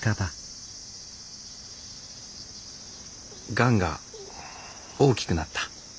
がんが大きくなった。